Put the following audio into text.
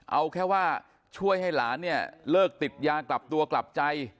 เอาแค่ว่าช่วยให้หลานเนี่ยเลิกติดยากลับตัวกลับใจ